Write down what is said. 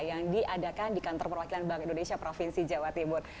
yang diadakan di kantor perwakilan bank indonesia provinsi jawa timur